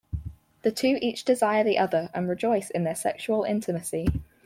The two each desire the other and rejoice in their sexual intimacy.